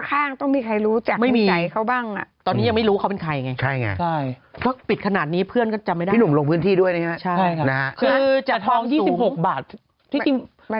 ๒๖บาทถ้าดูจากเนี่ยเขาน่าจะกวาดได้เยอะกว่านี้นะคุณแม่